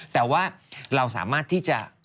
แต่ว่าเราสามารถที่จะ